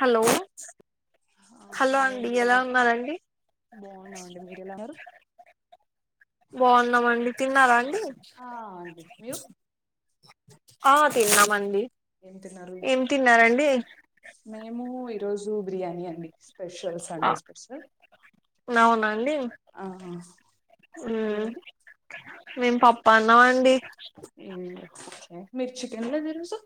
Hello ఆ hi అండి ఎలా బావున్నాం అండి మీరు ఎలా ఉన్నారు బావున్నామండి తిన్నారన్ ఆ అండి మీరు ఆ తిన్నాం అండి ఏం తిన్నారు మేము ఈరోజు బిర్యానీ అండి స్పెషల్ సండే స్పెషల్ నవునండి ఆ మీరు హుమ్ అండి మేం పప్పన్నం అండి మీరు చికెన్ లో తెలుసు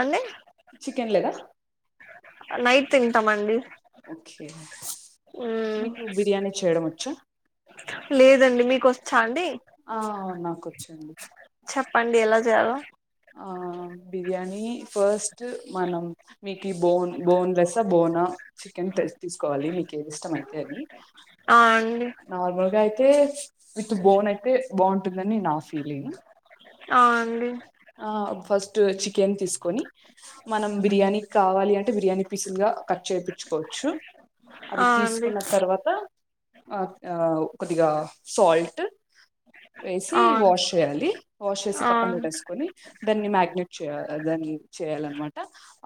అంటే చికెన్ లేదా నైట్ తింటాం అండి ఓకే మీకు బిర్యానీ చేయడం వచ్చా లేదండి మీకు వచ్చా అండి ఆవ్ నాకు వొచ్చండి ప్పండి ఎలా చెయ్యాలో ఆ బిర్యానీ ఫస్ట్ మనం మీకి బోన్ బోన్లెస్ ఆ బోనా చికెన్ తెసి తీసుకోవాలి మీకు ఏది ఇష్టమయితే అది ఆ అండి నార్మల్ గా అయితే విత్ బోన్ అయితే బాగుంటుందని నాఫీ లింగ్ ఆ అండి అ ఫస్ట్ స్ట్ చికెన్ తీసుకొని మనం బిర్యానీ కావాలి అంటే బిర్యానీ పీసులు గా కట్ చేయించుకోవచ్చు ఆ అవి అండి తీసుకున్న తర్వాత ఆ ఆ కొద్దిగా సాల్ట్ వేసి ఆ వాష్ చేయాలి వాష్ చేసి ఆ పక్కన పెట్టేసుకొని దాన్ని మ్యాక్ గ్నెట్ చేయాల దాన్ని చేయాలన్నమాట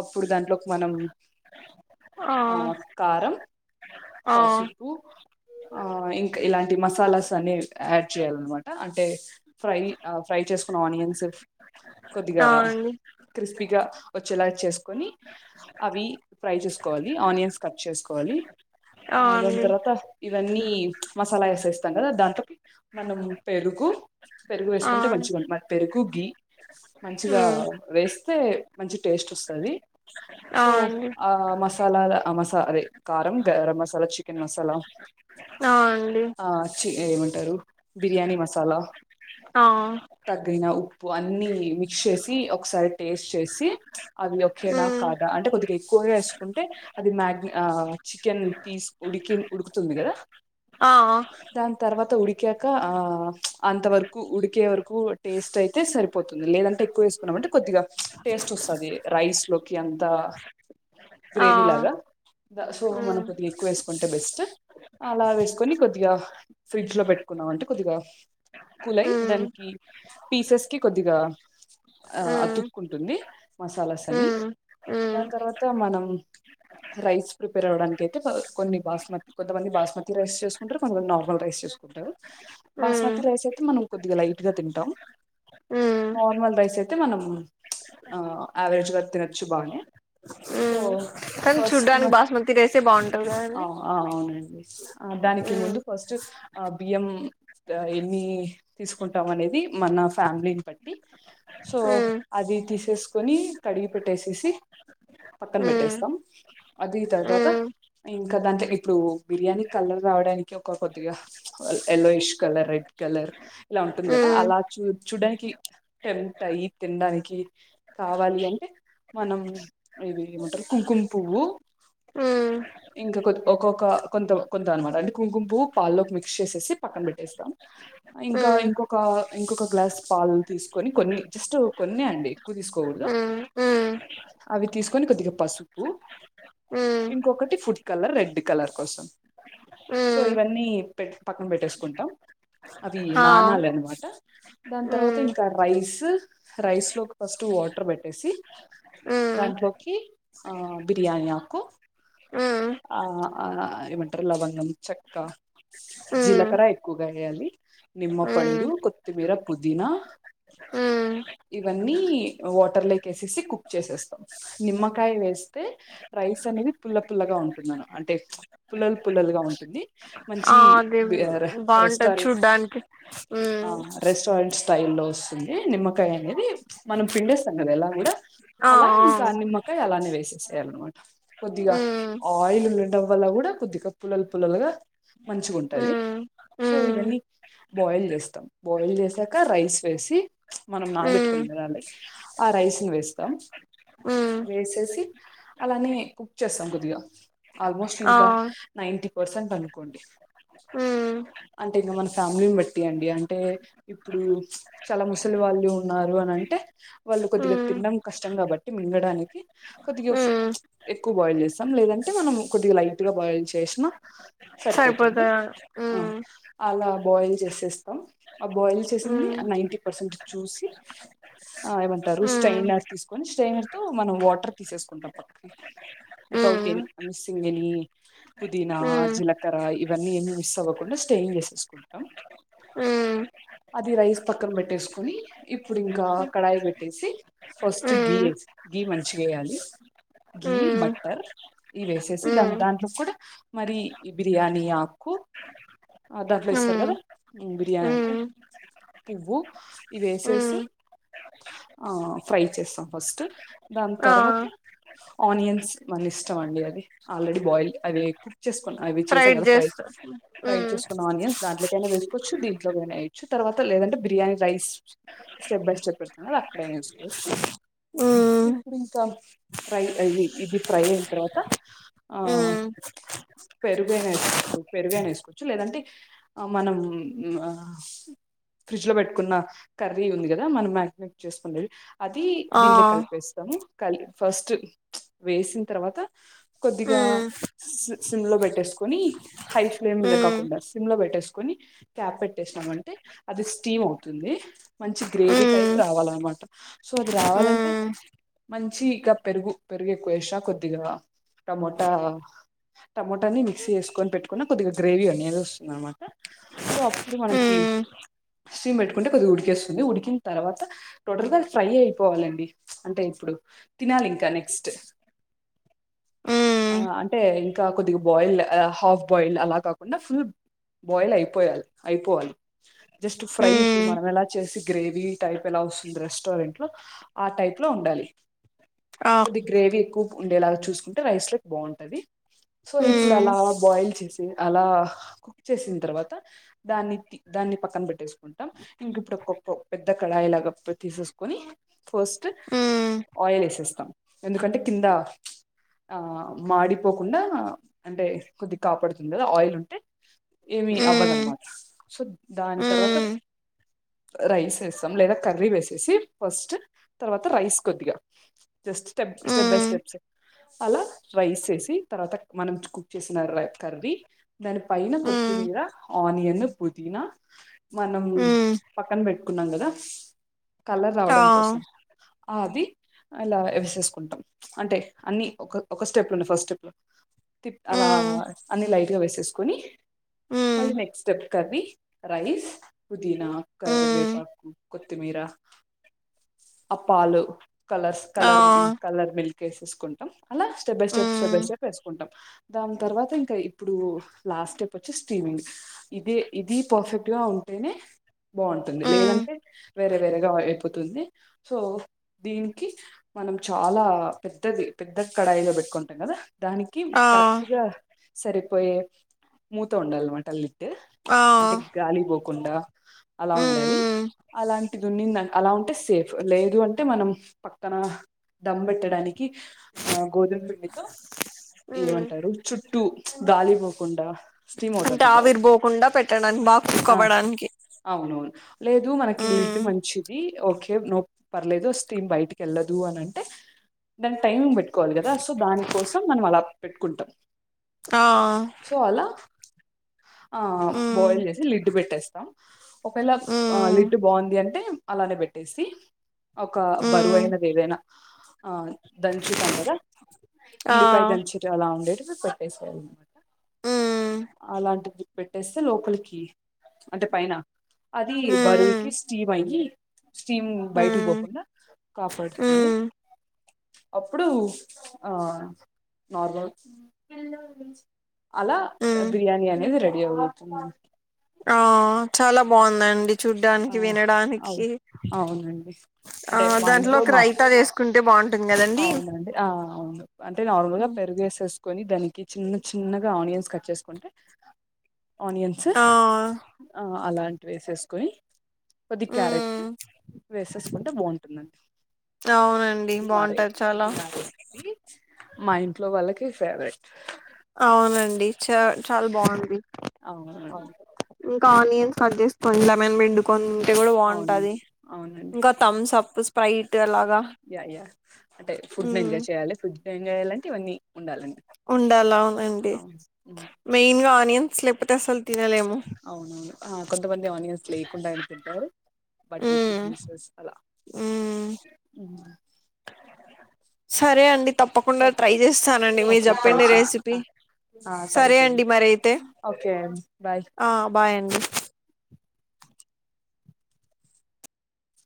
అప్పుడు దాంట్లోకి మనం ఆ కారం ఆ పసుపు ఆ ఇంకా ఇలాంటి మసాలాస్ అన్ని యాడ్ చేయాలన్నమాట అంటే ఫ్రై ఆ ఫ్రై చేసుకు ఆనియన్స్ కొద్దిగా ఆ అండి క్రిస్పీగా వచ్చేలా చేసుకొని అవి ఫ్రై చేసుకోవాలి ఆనియన్స్ కట్ చేసుకోవాలి ఆ దాన్తర్వాత ఇవన్నీ ఈ మసాలా వేసేస్తాం కదా దాంట్లోకి మనం పెరుగు పెరుగు ఆ వేసుకుంటే మంచిగా ఉండి మరి పెరుగుకి మంచిగా మ్మ్ వేస్తే మంచి టేస్ట్ వస్తుంది ఆ సో అండి ఆ మస్ సాల మసా అదే కారం గరం మసాలా చికెన్ మసాలా ఆ అండి ఏమంటరు బిర్యానీ మసాలా ఆ ప్పు అన్ని మిక్స్ చేసి ఒకసారి టేస్ట్ చేసి అవి ఒకే నా మ్మ్ కాదా అంటే కొద్దిగా ఎక్కువగా వేసుకుంటే అది మ్యాగ్ ఆ చికెన్ పిస్ ఉడికి ఉడుకుతుంది కదా ఆ దాని తర్వాత ఉడికాక ఆ అంతవరకు ఉడికే వరకు టేస్ట్ అయితే సరిపోతుంది లేదంటే ఎక్కువ వేసుకున్నామంటే కొద్దిగా టేస్ట్ వస్ సది రైస్ లో కి అంత ఆ గ్రేవీ లాగా పసుపు ఉమ్ కొంచెం ఎక్కువేసుకొని అంటే బెస్ట్ అలా వేసుకొని కొద్దిగా ఫ్రిడ్జ్ లో పెట్టుకున్నామ అంటే కొద్దిగా కూలై ఉమ్ దానికి పీసెస్ కి కొద్దిగా ఆ ఉమ్ అతుకొంటుంది మసాలాస్ అన్ని ఉమ్ ఉమ్ దాని తర్వాత మనం రైస్ ప్రిపేర్ అవ్వడానికి అయితే కొన్ని బాస్మతి కొంతమంది బాస్మతి రైస్ చేసుకుంటారు కొంతమంది నార్మల్ రైస్ చేస్ రూ ఉమ్ బాస్మతి రైస్ అయితే మనం కొద్దిగా లైట్ గా తింటాం ఉమ్ నార్మల్ రైస్ అయితే మనం ఆ ఆవరేజ్ గా తినొచ్చు బానే సో ఉమ్ కానీ ఫస్ట్ చూడ్డానికి బాస్మతి రైసే బాగుంటది ఆ కదండి ఆ అవునండి ఆ దానికి ఉమ్ ముందు ఫస్ట్ ఆ బియ్యం ఎన్ని తీసుకుంటాం అనేది మ న ఫ్యామిలీ బట్టి సో ఉమ్ అది తీసేసుకుని కడిగిబెట్టేస్ వసి పక్కన ఉమ్ పెట్టేస్తాం అది తర్వాత ఉమ్ ఇంకా దంటే ఇప్పుడు బిర్యానీ కలర్ రావడానికి ఒక కొద్దిగా ఎల్లోయిష్ కలర్ రెడ్ కలర్ ఇలా ఉంటుంది కదా ఉమ్ అలా చూ చూడడానికి టెంట్ అయ్యి తినడానికి కావాలి అంటే మనం ఇవి ఏమంటారు కుంకుమపువ్వు ఉమ్ ఇంకా కొద్ ఒక్కొక్క కొంత కొంత అనమాట అంటే కుంకుమపువ్వు పాల్లోకి మిక్స్ చేసేసి పక్కన పెట్టేస్తాం ఇంకా ఉమ్ ఇంకొక ఇంకొక గ్లాస్ పాలు తీసుకొని కొన్ని జస్ట్ కొన్నే అండి ఎక్కువగా తీసుకోవడద్దు ఉమ్ ఉమ్ అవి తీస్. కన్ని కొద్దిగా పసుపు ఉమ్ ఇంకొకటి ఫుడ్ కలర్ రెడ్ కలర్ కోసం. సో ఉమ్ ఇవన్నీ పెట్ పక్కన పెట్టేసుకుంటాం. అది హా నాణాల అనమాట దాని తర్వాత ఉమ్ ఇంకా రైస్. రైస్ లోకి ఫస్ట్ వాటర్ పెట్టేసి. ఉమ్ దాంట్లోకి ఆ బిర్యానీ ఆకు. ఉమ్ ఆఆ ఏమంటారు లవంగం. చెక్క, ఉమ్ జీలకర ఎక్కువగా వేయాలి నిమ్మ ఉమ్ పండు కొత్తిమీర. పుదీన. హ్మ్. ఇవన్నీ వాటర్లోకి వేసేసి కుక్ చేసేస్తాం నిమ్మకాయ వేస్తే రైస్ అనేది. పుల్ల పుల్లగా ఉంటుందన అంటే పుల్లలు పుల్లలుగా ఉంటుంది. ఆ మంచి అది బాగుంటది రెస్టారెంట్ చూడ్డానికి ఆ ఉమ్ రెస్టారెంట్స్. స్టైల్లో వస్తుంది నిమ్మకాయ అనేది మనం పిండేస్తంగా ఎలా కూడా. అలా ఇంకా ఆ నిమ్మకాయ అలానే వేసేసేయ అనమాట కొద్దిగా ఉమ్ ఆయిల్ ఉండడం. ఉండడంవల్ల కూడా కొద్దిగా పుల్లలు పుల్లలుగా మంచిగా ఉంటది. ఉమ్ సో ఉమ్ ఇవన్నీ బాయిల్ చేస్తాం బాయిల్ చేసాక రైస్ వేసి మనం ఉమ్ నానబెట్టుకు. ఆ రైస్ ని వేస్తాం ఉమ్ వేసేసి అలానే. చేస్తాం కొద్దిగా ఆల్మోస్ట్ ఆ ఇంకా నైన్ంటీ పర్సెంట్ అనుకోండి. ఉమ్. అంటే ఇంకా మన ఫ్యామిలీని బట్టి అండి అంటే ఇప్పుడు చాలా ముసలి వాళ్ళు ఉన్నారు అని అంట్. అంటే వాళ్ళు కొద్దిగా ఉమ్ తినడం కష్టం కాబట్టి మింగడానికి కొద్దిగా ఫుడ్. ఉమ్ ఎక్కువ బాయిల్ చేస్తాం లేదంటే మనం కొద్దిగా లైట్ గా బాయిల్ చేసిన. సరిపోతుంది సరిపోతారు ఆ. ఉమ్ అలా బాయిల్ చేసేస్తాం ఆ బాయిల్ చేసింది ఉమ్ ఆ నైన్టీ పర్సెంట్ చూసి. ఆ ఏమంటారు ఉమ్ స్ట్రైనర్ తీసుకొని స్ట్రైనర్ తో మనం వాటర్ తీసేసుకుంటాం పక్కకి. వితౌట్ట్ ఎని మిస్సింగ్ ఎని పుదీనా, ఉమ్ జీలకర ఇవన్నీ ఏమి మిస్ అవ్వకు. స్టేయింగ్ చేసేసుకుంటాం. ఆ. అది రైస్ పక్కకు పెట్టేసుకుని ఇప్పుడు ఇంకా కడాయి పెట్టేసి ఫస్ట్ ఉమ్ గీయేసి. గీ మంచిగా వేయాలి ఉమ్ గీ. ఉమ్ బట్టర్ ఇవేసేసి దాని దాంట్లో కూడా మరి ఈ బిర్యానీ ఆకు. ఆ దాంట్లో ఇస్తారు ఉమ్ కదా ఉమ్ బిర్యానీ. పువ్వు ఇవేసేసి. ఉమ్ ఆ ఫ్రై చేస్తా ఫస్ట్ దాని ఆ తర్వాత ఆనియన్. వాళ్ల ఇష్టం అండి అది ఆల్రెడీ బాయిల్ అది జస్ట్ కుక్ చే. అవి చేసాం ఫ్రైడ్ కదా ఫ్రై. చేస్తా ఉమ్ చ్చు దీంట్లోన్ అయొచ్చు తర్వాత లేదంటే biryani rice step by step పెడా కదా అక్కడేసుకోవచ్చు. ఉమ్ ఫ్రై అది. ఇది ఫ్రై అయిన తర్వాత ఆ. ఉమ్ పెరుగైన ఏస్కో ఇప్పుడు వేసుకొవచు లేదంటే ఆ మనం‌. ఫ్రిడ్జ్ లో పెట్టుకున్న కర్రీ ఉంది కదా మనం మ్యాగినేట్ చేసుకునేది అది ఆ దీంట్లో కలిపేస్తుం. కుంటం కాల్ ఫస్ట్ వేసిన తర్వాత కొద్దిగా. ఉమ్ సి సిమ్ లో పెట్టేసుకొని హై ఫ్లేమ్ మీద ఉమ్ కాకుండా సిమ్ లో పెట్టేసుకుని క్యాప్ పెట్టే. శ్నమంటే అది స్టీమ్ అవతుంది మంచి గ్రేవీ టైప్ ఉమ్ రావాలన మాట సో అది రావాల్ ఉమ్ మంచి ఇక పెరుగు పెరుగు ఎక్కువేషా కొద్దిగా టమోటా టమోటాన్ని మిక్సీ ఏసుకొని పెట్టుకున్న, కొద్దిగ గ్రేవీ అనేది ఒస్తుంది అనమాట సో అప్పుడు మనకి. ఉమ్ స్టీమ్ పెట్టుకుంటే కొద్దిగా ఉడికేస్తుంది, ఉడికిన్ తర్వాత టోటల్ గా ఫ్రై అయిపోవాలండి అంటే. ఇప్పుడు తినాలి ఇంకా నెక్స్ట్ ఆ ఉమ్ అంటే ఇంకా కొద్దిగ బాయిల్ అ హాఫ్ బాయిల్డ్ అలా కాకుండా ఫుల్ బాయిల్ అయిపోయాల్, అయిపోవాలి జస్ట్ ఫ్రై ఇప్పుడు ఉమ్ మనం ఎలా చేసి గ్రేవీ టైప్ ఎలా. ఒస్సుంది రెస్టారెంట్ లొ ఆ టైప్ లో ఉండాలి ఆ కొద్ది గ్రేవీ ఎక్కువ ఉండేలాగా చూసుకుంటే రైస్ లోక్ బాగుంటది సో ఇప్పుడు ఉమ్ అలా బాయిల్ చేసి అలా కుక్ చేసిన్ తర్వాత దాన్ని తి పక్కన బెట్టేసుకుంటం, ఇంక ఇంప్పుడు కొ కొ పెద్ద కడాయి లాగా పె తీసేసుకొని ఫస్ట్. ఉమ్ ఆయిల్ ఏసేస్తాం ఎందుకంటే కింద ఆ మాడిపోకుండా అంటే కొద్ది కాపాడుతుంది కదా ఆయిల్ ఉంటే ఏమీ ఉమ్ అవ్వదనమాట సో దాన్ తర్వాత ఉమ్ రైస్ ఏస్తాం లేదా కర్రీ వేసేసి ఫస్ట్ తర్వాత రైస్ కొద్దిగ just step step by um steps rice ఏసి తర్వాత మనం కుక్ చేసిన ర కర్రీ దాని పైన ఉమ్ కొత్తిమీర ఆనియన్న్ పుదీనా మనం ఉమ్ పక్కన బెట్కున్నాం గదా కలర్ రావడం కోసం ఆ అది అలా ఎసేసుకుంటం అంటే అన్ని ఒక ఒక స్టెప్ లోనే ఫస్ట్ స్టెప్ లో తి అలా అన్ని లైట్గా వేసేసుకొని మళ్ళీ నెక్స్ట్ స్టెప్ కర్రి రైస్ పుదీనా కరివే పాకు కొత్తిమీర ఆ పాలు కలర్ కలర్ కలర్ మిల్ కేసేసుకుంటం, అలా step by step step by step ఏసుకుంటం, దాన్ తర్వాత ఇంకా ఇప్పుడూ ల. లా స్టెప్ ఒచ్చి స్టీమింగ్ ఇదీ ఇదీ పర్ఫెక్ట్ గా ఉంటేనే బా ఉంటుంది లేదంటే వేరే వేరేగా అయిపోతుంది సో దీనికి మనం చాలా పెద్దది పెద్ద కడాయిలో బెట్కుంటం గదా దానికి కరెక్ట్ గా సరిపోయే మూత ఉండాల్మాట లి డ్ అంటే గాలి బోకుండా అలా హ్మ్, ఉండాలి హ్మ్, అలాంటి దున్నిందా అలా ఉంటే సేఫ్ లేదు అంటే మనం పక్కన దమ్ బెట్టడాని కి ఆ గోధుమ పిండితో హ్మ్. ఏమంటారు చుట్టూ గాలీ పోకుండా స్టీమ్ అంటే అవుతుంటది కదా ఆవిర్ బోకుండా పెట్టడాని బా కుక్ ఆ అవ్వడానికి అవునవును లేదు మనకి హ్మ్, లిడ్ మంచిది ఓకే నో పర్లేదు స్టీమ్ బయటికి ఎళ్ళదు దు అని అంటే దాన్ టైమింగ్ బెట్టుకోవాలి గదా సో దాని కోసం మనం అలా పెట్టుకుంటం ఆ ఆ హ్మ్, బాయిల్ జేసి లిడ్డు బెట్టేస్తాం ఒకేళ ఆ హ్మ్, లిడ్డు బా ఉంది అంటే అలానే బెట్టేసి ఒక బరువు హ్మ్, అయినది ఏదైనా ఆ దంచుతాం గదా ఆ! ఉల్లిపాయ దంచేటి అలా ఉండేటివి పెట్టేసేయాలి హ్మ్, అలాంటిది పెట్టేస్తే లోపలికి అంటే పైన అదీ హ్మ్, బరువుకి స్టీమ్ అయ్యి స్టీమ్ బయటికి హ్మ్, బోకుండా కాపాడుతుంది హ్మ్, అప్పుడు ఆ నార్మల్ అలా హ్మ్. బిర్యానీ అనేది రెడీ అవుతుంది ఆ చాలా బాగుందండి ఆ చూడ్డానికి అవు వినడానికి అవునండి ఆ అంటే మా ఇంట్లో దాంట్లోకి మా రైతా చేసుకుంటే బాగుం అవునండి ఆ అవును అంటే నార్మల్ గా హ్మ్. పెరుగేసేస్ కొని దానికి చిన్న చిన్నగా ఆనియన్స్ కట్ చేసుకుంటే ఆనియన్స్ ఆ! అలాంటివి వేసేసుకొని కొద్దిగ్ క్యారెట్ హ్మ్. వేసేసుకుంటే బాగుంటదండి అవునండి బాగుంటది చాలా ఇది నా రెసిపీ మా ఇంట్లో వాళ్ళకి ఫేవరెట్ అవునండి చ చాలా బాగుంది అవునండి ఇంకా ఆనియన్స్ కొద్ కట్ చేసుకొని లెమన్ పిండుకొని ఉంటే కూడా అవును బాగుంటది ఇంకా థమ్స్ అప్ స్ప్రైట్ అలాగా యాయా అంటే ఫుడ్ ఉమ్ ఎంజాయ్ చేయాలే ఫుడ్ ని ఎంజాయ్ చేయాలంటే ఇవన్నీ ఉండాలండి ఉండలా అవునండి అవును హ్మ్. మెయిన్ గా ఆనియన్స్ లేకపోతే అసలు తినలేము అవునువును కొంతమంది ఆనియన్స్ లేకుండా అయిన తింటారు బట్ విత్ ఉమ్ జ్యూసెస్ అలా ఉమ్ సరే అండి తప్పకుండా సో ట్రై చేస్తానండి మీరు ఓకే ట్రై చెప్పిండే రెసిపీ చెయ్ ట్రై సరే చెయ్ అండి మరయితే ఓకే బాయ్ ఆ బాయ్ అండి